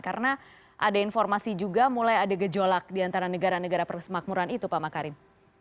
karena ada informasi juga mulai ada gejolak diantara negara negara persemakmuran itu pak mak karim